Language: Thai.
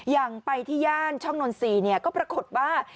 อย่างไปที่ย่านช่องนนทรีย์ก็ปรากฏว่า